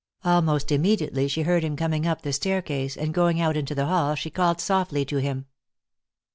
Almost immediately she heard him coming up the staircase, and going out into the hall she called softly to him.